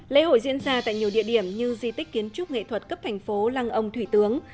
lễ hội diễn ra tại nhiều địa điểm như di tích kiến trúc nghệ thuật cấp thành phố lăng ông thủy tướng